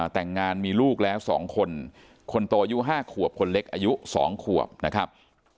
แต่งงานมีลูกแล้ว๒คนคนโตอายุ๕ขวบคนเล็กอายุ๒ขวบนะครับ